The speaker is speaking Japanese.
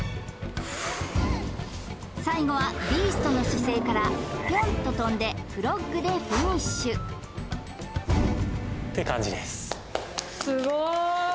最後はビーストの姿勢からピョンと跳んでフロッグでフィニッシュて感じです